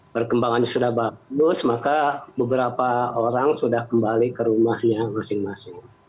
perkembangan sudah bagus maka beberapa orang sudah kembali ke rumahnya masing masing